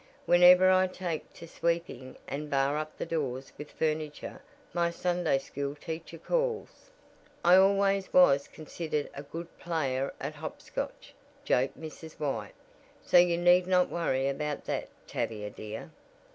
Whenever I take to sweeping and bar up the doors with furniture my Sunday school teacher calls." "I always was considered a good player at hopscotch," joked Mrs. White, "so you need not worry about that, Tavia, dear."